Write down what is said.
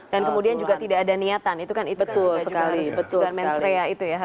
dan kemudian juga tidak ada niatan itu kan juga harus juga mensreanya